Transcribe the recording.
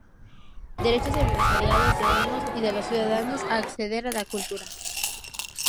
derechos empresariales de unos y los de los ciudadanos a acceder a la cultura